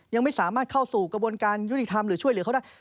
ยังไม่สามารถเข้าสู่กระบวนการยุติธรรมหรือช่วยเหลือเขาได้